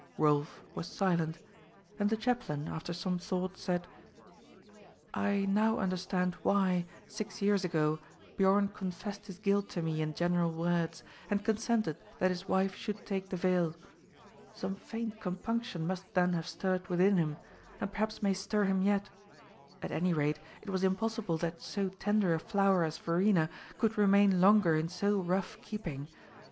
Rolf was silent; and the chaplain, after some thought, said: "I now understand why, six years ago, Biorn confessed his guilt to me in general words, and consented that his wife should take the veil. Some faint compunction must then have stirred within him, and perhaps may stir him yet. At any rate it was impossible that so tender a flower as Verena could remain longer in so rough keeping.